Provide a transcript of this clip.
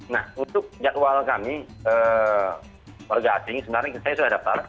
nah untuk jadwal kami warga asing sebenarnya saya sudah daftar